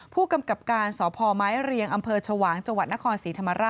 ผู้กำกับการสพม